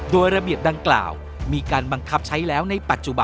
โดยระเบียบดังกล่าวมีการบังคับใช้แล้วในปัจจุบัน